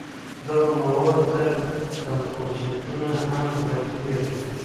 دغو موادو ته کمپوزېټونه هم ویل کېږي.